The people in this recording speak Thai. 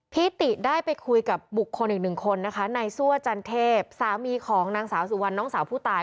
ติได้ไปคุยกับบุคคลอีกหนึ่งคนนะคะนายซั่วจันเทพสามีของนางสาวสุวรรณน้องสาวผู้ตาย